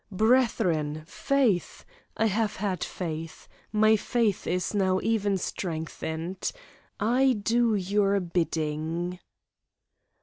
"Brethren, faith! I have had faith; my faith is now even strengthened. I do your bidding."